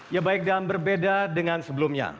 ya baik dan berbeda dengan sebelumnya